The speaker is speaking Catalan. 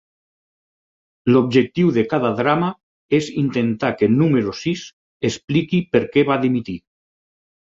L'objectiu de cada drama és intentar que Número Sis expliqui per què va dimitir.